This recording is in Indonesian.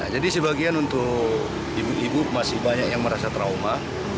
jadi sebagian untuk ibu ibu masih banyak yang merasa trauma